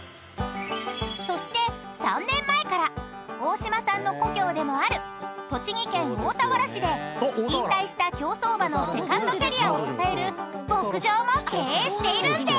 ［そして３年前から大島さんの故郷でもある栃木県大田原市で引退した競走馬のセカンドキャリアを支える牧場も経営しているんです！］